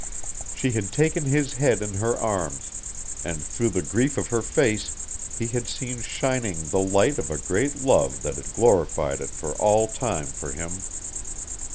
She had taken his head in her arms, and through the grief of her face he had seen shining the light of a great love that had glorified it for all time for him.